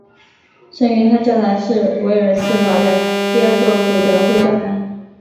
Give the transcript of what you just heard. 圣约翰教堂是维尔茨堡的第二座路德会教堂。